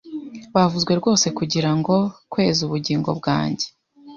Bavuzwe rwose kugirango… kweza ubugingo bwanjye.